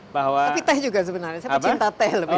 tapi teh juga sebenarnya saya pecinta teh lebih